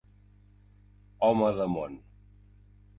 Home de món.